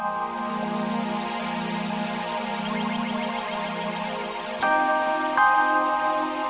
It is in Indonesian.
saya kalau berapa sudah